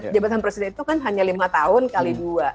jabatan presiden itu kan hanya lima tahun kali dua